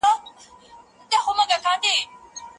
د شیانو نومونه د کارونو په ترسره کولو کي مرسته کوي.